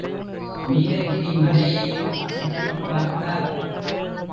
நீலகிரி மலையையும் சுற்றிப் பார்த்தார்.